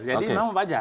jadi memang wajah